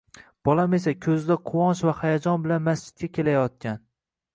Bolam esa koʻzida quvonch va hayajon bilan masjidga kelayotgan